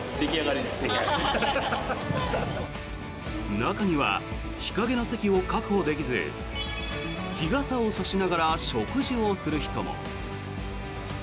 中には日陰の席を確保できず日傘を差しながら食事をする人も。